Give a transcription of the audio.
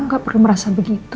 gak perlu merasa begitu